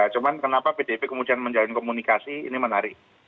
cuma kenapa pdip kemudian menjalin komunikasi ini menarik